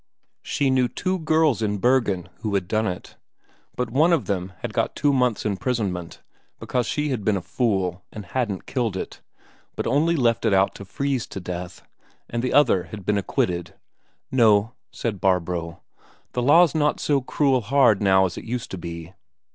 She knew two girls in Bergen who had done it; but one of them had got two months' imprisonment because she had been a fool and hadn't killed it, but only left it out to freeze to death; and the other had been acquitted. "No," said Barbro, "the law's not so cruel hard now as it used to be.